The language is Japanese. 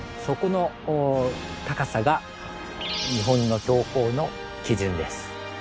そこの高さが日本の標高の基準です。